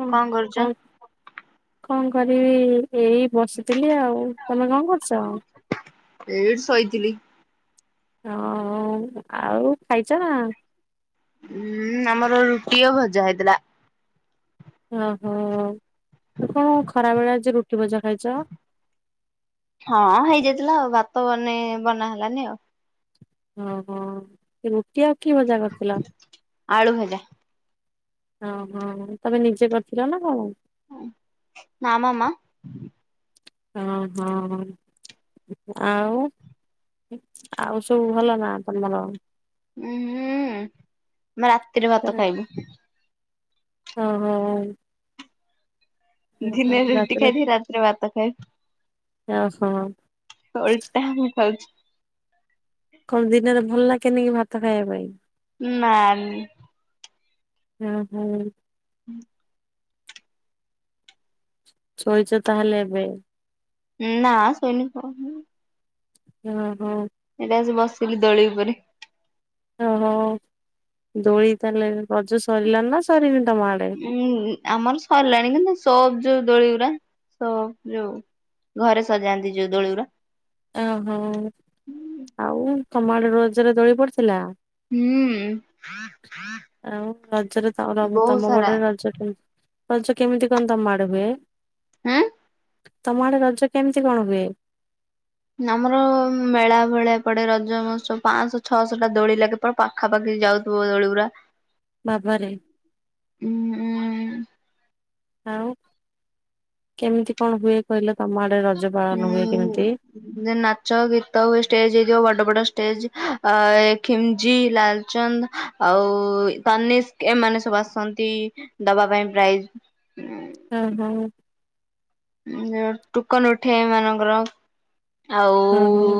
ହଁ କଣ କରୁଛ? କନ୍? କଣ କରିବି ଏଇ ଏଇ ବସିଥିଲି ଆଉ, ତମେ କଣ କରୁଛ? ଏଇଠି ଶୋଇଥିଲି। ହଁ ଆଉ ଖାଇଛ ନା? ଉୁଁ ଆମର ରୁଟି ଆଉ ଭଜା ହେଇଥିଲା। ଓହୋ ଆ କଣ ଖରା ବେଳେ ଆଜି ରୁଟି ଭଜା ଖାଇଛ? ହଁ ହେଇଯାଇଥିଲା ଆଉ ଭାତ ବନେ ବନା ହେଲାନି ଆଉ। ଓହୋ ଏ ରୁଟି ଆଉ କି ଭଜା କରିଥିଲ? ଆଳୁ ଭଜା। ଓହୋ ତମେ ନିଜେ କରିଥିଲ ନା କଣ? ନା ମ ମା। ହଁ ହଁ ଆଉ? ଆଉ ସବୁ ଭଲ ନା ତମର? ଉୁଁ ହୁଁ ଆମେ ରାତିରେ ଭାତ ଖାଇବୁ। ଓହୋ। ଦିନେରେ ରୁଟି ରାତିରେ ଖାଇବି ରାତିରେ ଭାତ ଖାଇବି ୟା ସହ। ଓଲ୍ଟା ମୁଁ ପାଉଛି। କଣ ଦିନରେ ଭଲ ଲାଗେନିକି ଭାତ ଖାଇବା ପାଇଁ? ନା। ହୁଁ ହୁଁ। ହୁଁ। ଶୋଇଛ ତାହେଲେ ଏବେ? ନା ଶୋଇନି କହୁ ଓଁ ହୋ। ଏଇଟା ଆସି ବସିଲି ଦୋଳି ଉପରେ ଓହୋ। ଦୋଳି ତାହେଲେ ରଜ ସରିଲାଣି ନା ସରିନି ତମ ଆଡେ? ଉଁ ଆମର ସରିଲାଣି କିନ୍ତୁ ସ୍ୱବ୍ ଯୋଉ ଦୋଳିଗୁରା ସ୍ବବ୍ ଯୋଉ ଘରେ ସଜାନ୍ତି ଯୋଉ ଦୋଳିଗୁରା ଓହୋ। ଆଉ ତମଆଡେ ରଜରେ ଦୋଳି ପଡିଥିଲା? ହୁଁ ଆଉ ରଜରେ ତମର ବହୁତ ତମ ସାରା ପଟରେ ରଜ କେମିତି ରଜ କେମିତି କଣ ତମ ଆଡେ ହୁଏ? ଆ ତମ ଆଡେ ରଜ କେମିତି କଣ ହୁଏ? ନା ଆମର ମେଳା ଭଳିଆ ପଡେ ରଜ ମହତ୍ସବ ପାଁଶହ ଛଅଶହ ଟା ଦୋଳି ଲାଗେ ପୁରା ପାଖାପାଖି ଯାଉଥିବ ଦୋଳି ଗୁଡା ବାବାରେ ଉୁଁ ଉଁ ଆଉ କେମିତି କଣ ହୁଏ କହିଲେ ତମ ଆଡେ ରଜ ପାଳନ ହୁଏ କେମିତି? ଉଁ ନାଚ ଗୀତ ହୁଏ ଷ୍ଟେଜ ହେଇଥିବ। ବଡ ବଡ ଷ୍ଟେଜ ଖିମ୍ଜି, ଲାଲଚନ୍ଦ ଆଉ ତନିସ୍କ ଏମାନେ ସବୁ ଆସନ୍ତି ଦବା ପାଇଁ ପ୍ରାଇଜ୍ ହୁଁ ହୁଁ। ଟୁକନ ଉଠେ ଏମାନଙ୍କର। ଆଉ ହଁ ହଁ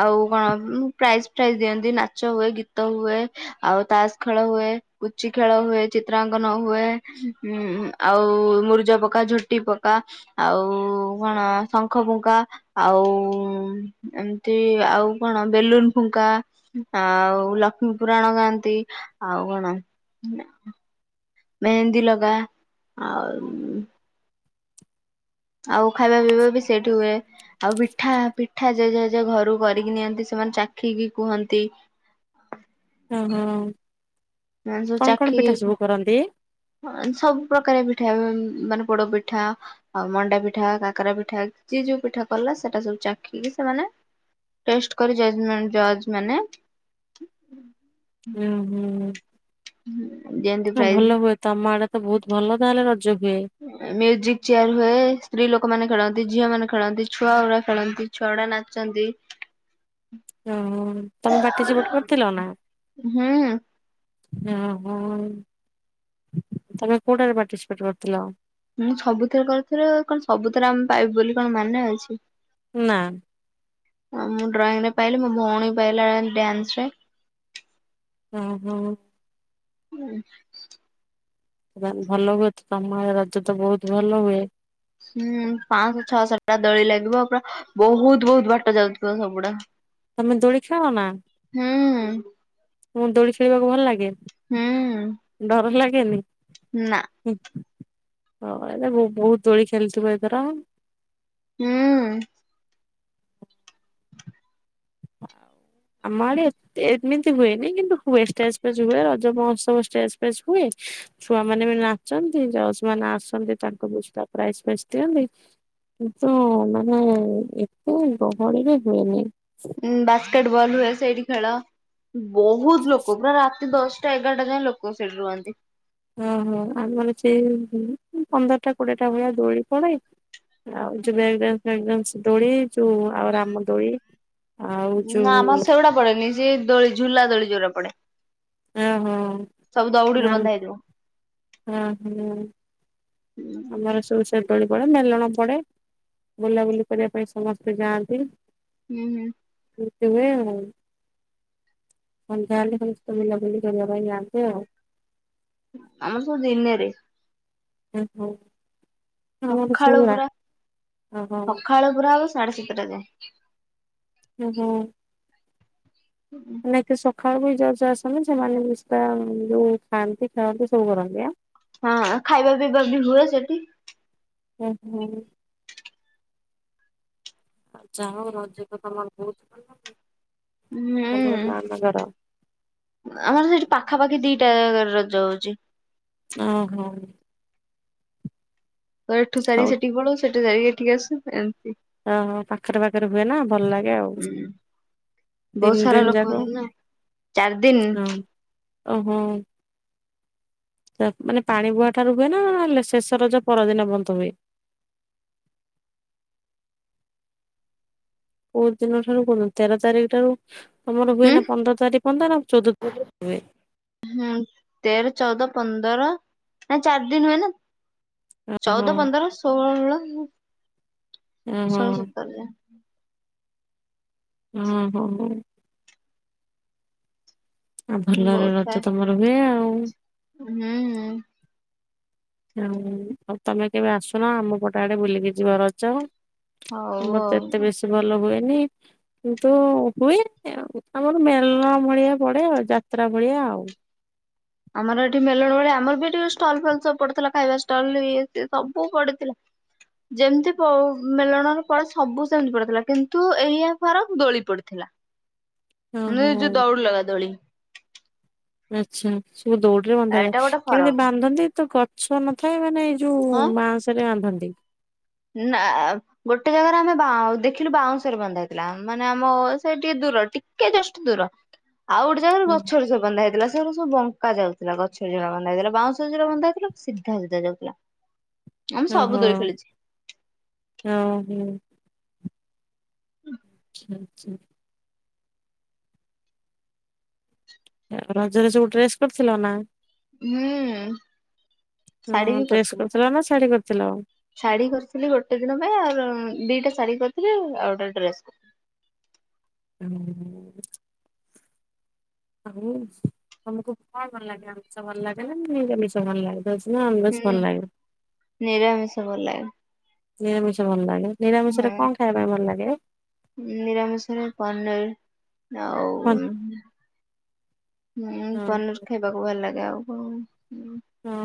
ଆଉ କଣ ପ୍ରାଇଜ୍ ଫାଇଜ ଦିଅନ୍ତି, ନାଚ ହୁଏ, ଗୀତ ହୁଏ ଆଉ ତାସ ଖେଳ ହୁଏ, କୁଚି ଖେଳ ହୁଏ, ଚିତ୍ରାଙ୍କନ ହୁଏ। ଉ ଆଉ ମୁରୁଜ ପକା, ଝୁଟି ପକା, ଆଉ କଣ ଶ ଙ୍ଖ ଫୁଙ୍କା, ଆଉ ଏମିତି ଆଉ କଣ ବେଲୁନ ଫୁଙ୍କା ଆଉ ଲକ୍ଷ୍ମୀପୁରାଣ ଗାଆନ୍ତି ଆଉ କଣ ମେହେନ୍ଦୀ ଲଗା ଆଉ ଆଉ ଖାଇବା ପିଇବା ବି ସେଇଠି ହୁଏ। ଆଉ ପିଠା ପିଠା ଯେଝା ଯେଝା ଘରୁ କରିକି ନିଅନ୍ତି ସେମାନେ ଚାଖିକି କୁହନ୍ତି। ଓହୋ। ମାନେ ସବୁ କଣ କଣ ଚାଖି ପିଠା ସବୁ କରନ୍ତି? ସବୁ ପ୍ରକାର ପିଠା ମାନେ ପୋଡ ପିଠା, ଆଉ ମଣ୍ଡା ପିଠା, କାକରା ପିଠା, ଯିଏ ଯୋଉ ପିଠା କଲା ସେଟା ସବୁ ଚାଖିକି ସେମାନେ ଟେଷ୍ଟ କରି ଜର୍ଜମେଣ୍ଟ ଜର୍ଜମାନେ ହୁଁ ହୁଁ। ହଁ ଯେ ହଁ ଭଲ ହୁଏ ତମ ଆଡେ ତ ବହୁତ ଭଲ ତାହେଲେ ରଜ ହୁଏ। ମ୍ୟୁଜିକ ଚେୟାର ହୁଏ। ସ୍ତ୍ରୀ ଲୋକମାନେ ଖେଳନ୍ତି, ଝିଅମାନେ ଖେଳନ୍ତି, ଛୁଆଗୁଡା ଖେଳନ୍ତି ଛୁଆଗୁଡା ନାଚନ୍ତି। ଓହୋ। ତମେ ପାଟିସିପେଟ କରିଥିଲ ନା? ହୁଁ ଓହୋ ତମେ କୋଉଟାରେ ପାର୍ଟିସିପେଟ କରିଥିଲ? ମୁଁ ସବୁଥରେ କରିଥିଲି। କଣ ସବୁଥିରେ ଆମେ ପାଇବୁ ବୋଲି କଣ ମାନେ ଅଛି। ନା। ଅ ମୁଁ ଡ୍ରଇଂ ରେ ପାଇଲି। ମୋ ଭଉଣୀ ପାଇଲା ଡ୍ୟାନ୍ସରେ। ଓହୋ। [inaudible] ଭଲ ହୁଏ ତ ତମ ଆଡେ ରଜ ତ ବହୁତ ଭଲ ହୁଏ। ହୁଁ ପାଶହ ଛଅଶହ ଟା ଦୋଳି ଲାଗିବ ପୁରା ବହୁତ ବହୁତ ବାଟ ଯାଉଥିବ ସବୁଗୁଡା। ତମେ ଦୋଳି ନା? ହୁଁ। ତମକୁ ଦୋଳି ଖେଳିବାକୁ ଭଲ ଲାଗେ ହୁଁ ଡର ଲାଗେନି? ନା। ହୁଁ [unintelligible] ବହୁତ ଦୋଳି ଖେଳିଥିବ ଏଥର। ହୁଁ। ଆମ ଆଡେ? ଏମିତି ହୁଏନି। କିନ୍ତୁ ହୁଏ, ଷ୍ଟେଜ ଫେଜ ହୁଏ ରଜ ମହୋତ୍ସବ ଷ୍ଟେଜ ଫେଜ ହୁଏ। ଛୁଆମାନେ ବି ନାଚନ୍ତି। ଜଜ୍ ମାନେ ଆସନ୍ତି ତାଙ୍କୁ ପ୍ରାଇଜ ଫ୍ରାଇଜ ଦିଅନ୍ତି। କିନ୍ତୁ ମାନେ ଏତେ ଗହଳିରେ ହୁଏନି। ଉଁ ବାସ୍କେଟ ବଲ୍ ହୁଏ ସେଇଠି ଖେଳ। ବହୁତ ଲୋକ ପୁରା ଦଶଟା ଏଗାରଟା ଯାଏଁ ଲୋକ ସେଠି ରୁହନ୍ତି। ଓହୋ। ଆମର ସେ ପନ୍ଦରଟା କୋଡିଏଟା ଭଳିଆ ଦୋଳି ପଡେ। ଆଉ ଯୋଉ ବ୍ରେକ ଡାନ୍ସ ଫ୍ରେକ୍ ଡାନ୍ସ ଦୋଳି ଯୋଉ ଆଉ ରାମ ଦୋଳି। ଆଉ ନା ଯୋଉ ଆମର ସେଗୁଡା ପଡେନି ସେ ଦୋଳି ଝୁଲା ଦୋଳି ଯୋଉରା ପଡେ। ଓହୋ ସବୁ ଦଉଡ଼ିରେ ବନ୍ଧା ହେଇଥିବ। ହୁଁ ହୁଁ। ହୁଁ ଆମର ସବୁ ସେ ଦୋଳି ପଡେ ମେଲଣ ପଡେ। ବୁଲାବୁଲି କରିବା ପାଇଁ ସମସ୍ତେ ଯାଆନ୍ତି। ହୁଁ ହୁଁ। ଏମିତି ହୁଏ ଆଉ। ସନ୍ଧ୍ୟା ହେଲେ ସମସ୍ତେ ବୁଲା ବୁଲି କରିବା ପାଇଁ ଯାଆନ୍ତି ଆଉ। ଆମର ସବୁ ଦିନରେ। [unintelligible] ଆମର ସକାଳୁ ସବୁ ରା ପୁରା ଓହୋ ସକାଳୁ ପୁରା ହବ ସାଢେ ସାତଟା ଯାଏ। ହୁଁ ହୁଁ। [inaudible] ନାଇଁ କି ସକାଳୁ ବି ଜଜ ଆସନ୍ତି ସେମାନେ କିଛି ଟା ଯୋଉ ଖାଆନ୍ତି ଖାଆନ୍ତି ସବୁ କରନ୍ତି ଆ। ହଁ ଖାଇବା ପିଇବା ବି ହୁଏ ସେଠି। ଉଁ ହୁଁ। ଯାହା ହଉ ରଜ ତ ତମର ବହୁତ ଭଲ ହୁଏ। [unintelligible] ଆମର ସେଇଠି ପାଖାପାଖି ଦିଟା ରଜ ହଉଚି। ଅ ହଁ। ତ ଏଠୁ ହଉ ସାରିକି ସେଠି ପଳଉ ସେଠୁ ସାରିକି ଏଠିକି ଆସୁ ଏମିତି। ଓହୋ ପାଖରେ ପାଖରେ ହୁଏ ନା ଭଲ ଲାଗେ ଆଉ। ବହୁତ ତିନି ସାରା ଦିନ ଯାକ ଲୋକ ହୁଅନ୍ତି ନା ଚାରି ଦିନି। ହଁ ଓହୋ। ମାନେ ପାଣି ବୁହା ଠାରୁ ହୁଏ ନା ଶେଷ ରଜ ଯୋଉ ପରଦିନ ବନ୍ଦ ହୁଏ? କୋଉ ଦିନ ଠାରୁ କୁହନ୍ତୁ ତେର ତାରିଖ ଠାରୁ ତମର ହୁଏ ହୁଁ ନା ପନ୍ଦର ତାରିଖ। ପନ୍ଦର ଆଉ ଚଉଦ [unintelligible] ହୁଏ। ହୁଁ ତେର ଚଉଦ ପନ୍ଦର ନା ଚାରି ଦିନ ହୁଏ ନା। ଓହୋ ଚଉଦ, ପନ୍ଦର, ଷୋହଳ, ଓହୋ ଷୋହଳ ସତର ଯାଏ। ହୁଁ ହୋଁ ହୁଁ। ଆଉ ଭଲରେ ବହୁତ ଥାଏ ରଜ ତମର ହୁଏ ଆଉ। ହୁଁ। ହ ଆଉ ତମେ କେବେ ଆସୁନ ଆମ ପଟ ଆଡେ ବୁଲିକି ଯିବ ରଜ। ହଉ ମତେ ଏତେ ଆଉ। ବେଶୀ ଭଲ ହୁଏନି। କିନ୍ତୁ ହୁଏ ଆମର ମେଲ ଭଳିଆ ପଡେ ଆଉ ଯାତ୍ରା ଭଳିଆ ଆଉ। ଆମର ଏଠି ମେଲଣ ଭଳିଆ ଆମର ବି ଏଇଠି ଷ୍ଟଲ ଫଲ ସବୁ ପଡିଥିଲା ଖାଇବା ଷ୍ଟଲ ଇଏ ସିଏ ସବୁ ପଡିଥିଲା। ଯେମିତି ପୋ ମେଳଣର ପଡେ ସବୁ ସେମିତି ପଡିଥିଲା କିନ୍ତୁ ଏଇଆ ଫରକ ଦୋଳି ପଡିଥିଲା। ଓ ମାନେ ହୋ ଯୋଉ ଦୌଡି ଲଗା ଦୋଳି ଆଛା ସବୁ ଦୌ ରେ ଏଇଟା ବନ୍ଧାଜାଏ ଗୋଟେ କେମିତି ଫରକ ବାନ୍ଧନ୍ତି ତ ଗଛ ନଥାଏ ମାନେ ଏଇ ଯୋଉ ବାଉଁଶରେ ବାନ୍ଧନ୍ତି। ନାପ୍ ଗୋଟେ ଜାଗାରେ ଆମେ ବା ଦେଖିଲୁ ବାଉଁଶରେ ବନ୍ଧାହେଇଥିଲା ହେଇଥିଲା ମାନେ ଆମ ସେ ଟିକେ ଦୂର ଟିକେ ଜଷ୍ଟ ଦୂର। ଆଉ ଗୋଟେ ଜାଗାରେ ଗଛରେ ସବୁ ବାନ୍ଧହେଇଥିଲା ହେଇଥିଲା ସେଇଟି ସବୁ ବ ଙ୍କା ଯାଉଥିଲା ଗଛରେ ଯଉଗୁଡା ବନ୍ଧା ହେଇଥିଲା ବାଉଁଶରେ ଯଉଗୁଡା ବନ୍ଧାହେଇଥିଲା ସିଧା ସିଧା ଯାଉଥିଲା। ଆମେ ହୁଁ ସବୁ ହୁଁ ଦୋଳି ଖେଳିଚେ ହୁଁ ହୁଁ। ଆଛା ଆଛା। ରଜରେ ସବୁ ଡ୍ରେସ୍ କରିଥିଲ ନା। ହୁଁ ଶାଢୀ ହ ବି ଡ୍ରେସ୍ କରିଥିଲୁ କରିଥିଲ ନା ଶାଢୀ କରିଥିଲ। ଶାଢୀ କରିଥିଲି ଗୋଟେ ଦିନ ପାଇଁ ଆ ଦିଟା ଶାଢୀ କରିଥିଲି ଆଉ ଗୋଟା ଡ୍ରେସ୍। ହୁଁ। ହଉ ତମକୁ କଣ ଭଲ ଲାଗେ ଆମିଷ ଭଲ ଲାଗେ ନା ନିରାମିଷ ଭଲ ଲାଗେ? ଭେଜ ନା ହୁଁ ଅନଭେଜ ଭଲ ଲାଗେ। ନିରାମିଷ ଭଲ ଲାଗେ। ନିଆମିଷ ଭଲ ଲାଗେ। ନିରାମିଷ ରେ କଣ ଖାଇବା ପାଇଁ ଭଲ ଲାଗେ? ନିରାମିସରେ ପନିର। ଆଉ ହଁ ହଁ। ପନିର ଖାଇବା କୁ ଭଲଲାଗେ ଆଉ କଣ? ହଁ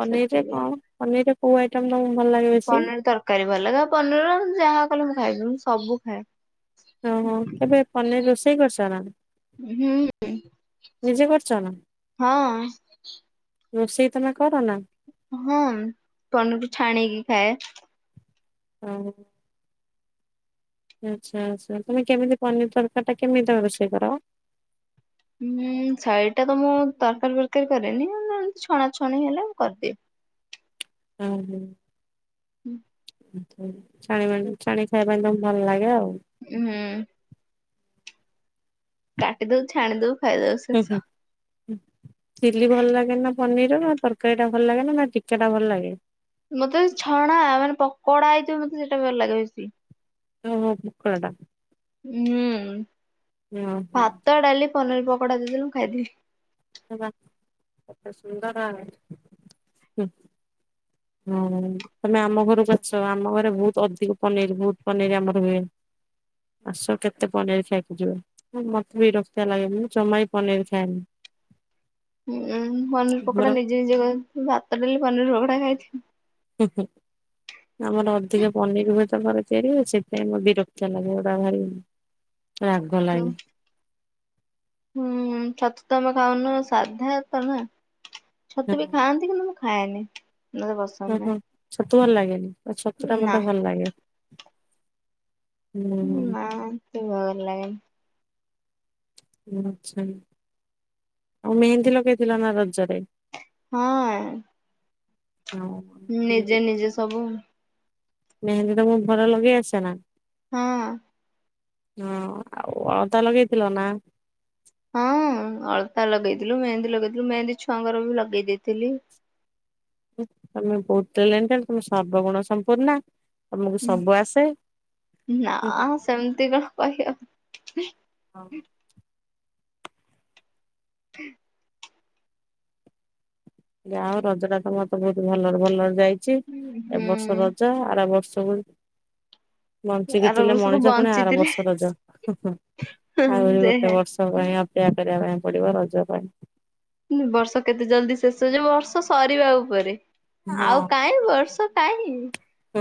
ପନିରରେ କଣ ସେତିକି ପନିରରେ କୋଉ ଆଇଟମ ତମ ଭଲ ଲାଗେ ବେଶୀ। ପନିର ତରକାରୀ ଭଲ ଲଗେ ପନିର ଯାହା କଲେ ମୁଁ ଖାଇବିଁ ସବୁ ଖାଏ। ଓ ହୋ କେବେ ପନିର ରୋଷେଇ କରିଚ ନା? ହୁଁ ନିଜେ କରିଛ ନା ହୁଁ ହଁ। ରୋଷେଇ ତମେ କର ନା। ହଁ ପନିରକୁୁ ଛାଣକି ଖାଏ। ହଉ। ଆଚ୍ଛା ଆଚ୍ଛା ତମେ କେମିତି ପନିର ତରକାରୀ ଟା କେମିତି ତମେ ରୋଷେଇ କର। ହୁଁ ଶାଡ଼ି ଟା ତ ମୁଁ ତରକାରୀ ଫରକାରୀ କରେନି ନନେ ଛଣା ଛଣି ହେଲେ ମୁ କରିଦିଏ। ହୁଁ ହୁଁ। ହୁଁ। ଚାଣିମାଣି ଚାଣି ଖାଇବା ପାଇଁ ତମେ ଭଲ ଲାଗେ ଆଉ। ହୁଁ। କାଟିଦଉ ଛାଣିଦଉ। ହୁଁ ହୁଁ। ଚିଲି ଭଲ ଲାଗେ ନା ପନିର ନା ତରକାରୀ ଟା ଭଲ ଲାଗେ ନା ଟିକା ଟା ଭଲ ଲାଗେ। ମତେ ଛଣା ମାନେ ପକୋଡା ହେଇଥିବ ମତେ ସେଇଟା ଭଲ ଲାଗେ ବେଶୀ। ଓ ହୋ ପକୋଡା ଟା। ହୁଁ ଓହୋ ଭାତ ଡାଲି ପନିର ପକୋଡା ଦେଇଦେଲେ ମୁଁ ଖାଇଦେବି। ବାଃ ଏତେ ସୁନ୍ଦର ହ। ହଁ ତମେ ଆମ ଘରକୁ ଆଛ ଆମ ଘରେ ବହୁତ ଅଧିକ ପନିର ବହୁତ ପନିର ଆମର ହୁଏ। ଆସ କେତେ ପନିର ଖାଇକି ଯିବ। ହଁ ମତ ବି ବିରକ୍ତିଆ ଲାଗେ ମୁଁ ଜମା ବି ପନିର ଖାଏନି। ଉୁଁ ପନିର ଆମର ପକୋଡା ନିଜେ ନିଜେ କ ଭାତ ଡାଲି ପନିର ପକୋଡା ଖାଇଚି। ହୁ ହୁ ଆମର ଅଧିକା ପନିର ହୁଏ। ତ ଘରେ ତିଆରି ହୁଏ। ସେଥିପାଇଁ ମ ବିରକ୍ତ ଲାଗେ ଏଗୁଡା ଭାରି। ରାଗ ହୁଁ। ଲାଗେ ହୁଁ ଛତୁ ତମେ ଖାଉନ ସାଧା ତ ନା? ହଁ ଛତୁ ବି ଖାଆନ୍ତି କିନ୍ତୁ ମୁଁ ଖାଏନି। [unintelligible] ଓହୋ ଛତୁ ଭଲ ଲାଗେନି ଛତୁ ଟା ନାହିଁ ନା ମତେ ଭଲ ଲାଗେ। ହୁଁ ନା ସେ ଭଲ ଲାଗେନି। ଆଛା। ଆଉ ମେହେନ୍ଦୀ ଲଗେଇଥିଲ ନା ରଜରେ? ହଁ। ହଁ। ନିଜେ ନିଜେ ସବୁ ମେହେନ୍ଦୀ ତମକୁ ଭଲ ଲଗେଇ ଆସେ ନା? ହଁ। ହଁ ଆଉ ଅଳତା ଲଗେଇଥିଲ ନା? ହଁ ଅଳତା ଲଗେଇଥିଲୁ ମେହେନ୍ଦୀ ଲଗେଇଥିଲୁ ମେହେନ୍ଦୀ ଛୁଆଙ୍କର ବି ଲଗେଇ ଦେଇଥିଲି। ତମେ ବହୁତ ଜାଣିଛ ତମେ ସର୍ବଗୁଣ ସଂପନ୍ନା। ତମକୁ ସବୁ ଆସେ ହୁଁ। ସେମତି କଣ କହିହବ? ହୁଁ। ଯାହୋଉ ରଜ ଟା ତମର ତ ବହୁତ ଭଲରେ ଭଲରେ ଯାଇଛି। ଏ ହୁଁ ବର୍ଷ ରଜ ଆର ବର୍ଷକୁ ବଞ୍ଚିକି ଆର ଥିଲେ ବର୍ଷକୁ ମଣିଷ ପୁଣି ଆର ବଞ୍ଚିଥିଲେ ବର୍ଷ ରଜ ହୁ ହୁ ଆହୁରି ଗୋଟେ ଯେ ବର୍ଷ। ରଜ ପାଇଁ ଅପେକ୍ଷା କରିବା ପାଇଁ ପଡିବ ରଜ ପାଇଁ। ବର୍ଷ କେତେ ଜଲ୍ଦୀ ଶେଷ ହେଇଯିବ ବର୍ଷ ସରିବା ଉପରେ। ଆଉ ହଁ କାହିଁ ବର୍ଷ କାହିଁ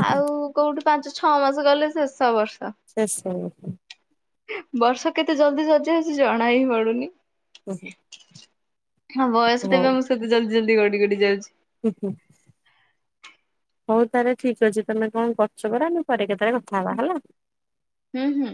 ଆଉ କୋଉଠି ପାଞ୍ଚ ଛଅ ମାସ ଗଲେ ଶେଷ ବର୍ଷ। ଶେଷ। ବର୍ଷ କେତେ ଜଲ୍ଦୀ ସରିଯିବ କିଛି ଜଣା ବି ପଡୁନି। ଓଃ। ହଁ ବୟସଟାବି ଆମ ସେତେ ଜଲ୍ଦୀ ଜଲ୍ଦୀ ଗଡି ଗଡି ଯାଉଛି। ହୁ ହୁ। ହୋଉ ତାହେଲେ ଠିକ ଅଛି ତମେ କଣ କରୁଛ ପରା ଆମେ ପରେ କେଟେବେଲେ କଥା ହେବା ହେଲା। ହୁଁ ହୁଁ।